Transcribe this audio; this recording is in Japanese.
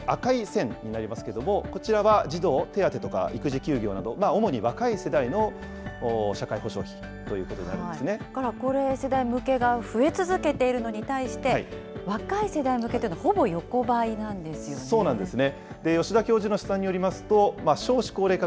一方でこちらの赤い線になりますけれども、こちらは児童手当とか育児休業など、主に若い世代の社高齢世代向けが増え続けているのに対して、若い世代に向けてはほぼ横ばいなんですよね。